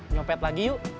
nyopet lagi yuk